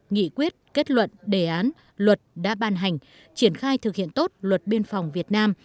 nghị quyết kết luận đề án luật đã ban hành triển khai thực hiện tốt luật biên phòng việt nam